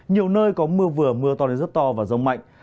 nhiều nơi có mưa vừa mưa to đến rất to và rông mạnh